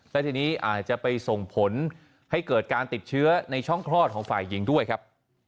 และทีนี้อาจจะไปส่งผลให้เกิดการติดเชื้อในช่องคลอดของฝ่ายหญิงด้วยครับ